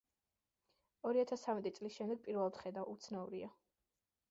ორი ათას ცამეტი წლის შემდეგ პირველად ვხედავ, უცნაურია.